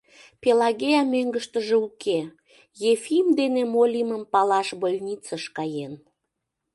Пелагея мӧҥгыштыжӧ уке: Ефим дене мо лиймым палаш больницыш каен.